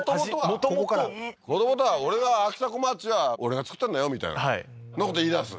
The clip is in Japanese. もともともともとは俺があきたこまちは俺が作ったんだよみたいなはいそんなこと言いだす？